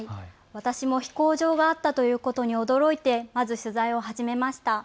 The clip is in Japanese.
私も飛行場があったということに驚いてまず、取材を始めました。